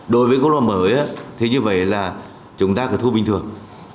đối với quốc lộ mới thì như vậy là chúng ta có thu bình thường